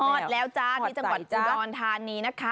อดแล้วจ้าที่จังหวัดอุดรธานีนะคะ